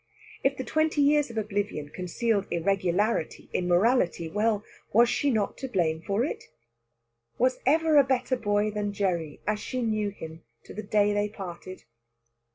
If the twenty years of oblivion concealed irregularity, immorality well, was she not to blame for it? Was ever a better boy than Gerry, as she knew him, to the day they parted?